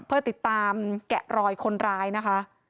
เพื่อติดตามแกะรอยคนร้ายนะคะ